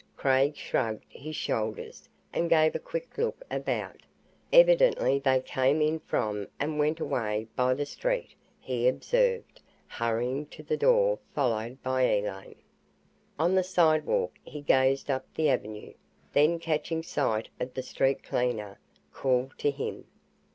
Craig shrugged his shoulders and gave a quick look about. "Evidently they came in from and went away by the street," he observed, hurrying to the door, followed by Elaine. On the sidewalk, he gazed up the avenue, then catching sight of the street cleaner, called to him.